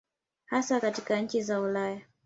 Hasa katika nchi za Ulaya.